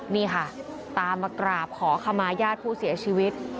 นี่ค่ะตามมากราบขอขมาญาติผู้เสียชีวิต